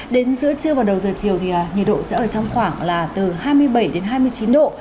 đến giữa trưa và đầu giờ chiều thì nhiệt độ sẽ ở trong khoảng là từ hai mươi bảy đến hai mươi chín độ